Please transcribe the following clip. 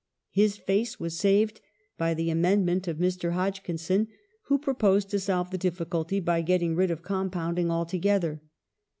His face was saved by the amendment of Mr. Hodgkinson, who proposed to solve the difficulty by getting rid of " compounding " altogether.